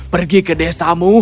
pergi ke desamu